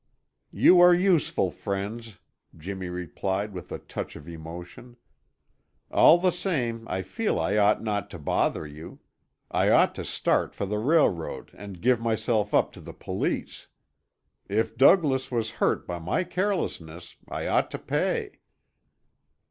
"You are useful friends," Jimmy replied with a touch of emotion. "All the same, I feel I ought not to bother you; I ought to start for the railroad and give myself up to the police. If Douglas was hurt by my carelessness, I ought to pay."